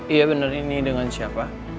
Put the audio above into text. iya benar ini dengan siapa